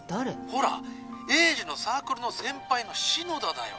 ほら栄治のサークルの先輩の篠田だよ。